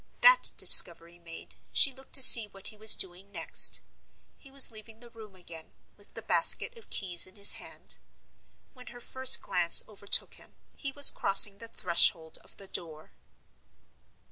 That discovery made, she looked to see what he was doing next. He was leaving the room again, with the basket of keys in his hand. When her first glance overtook him, he was crossing the threshold of the door.